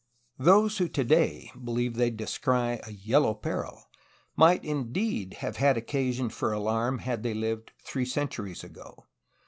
Those who today believe they descry a "Yellow Peril'' might indeed have had occasion for alarm had they lived three centuries ago.